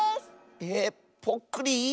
ええぽっくり⁉